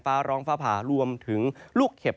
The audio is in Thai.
ฟ้าร้องฟ้าผ่ารวมถึงลูกเห็บ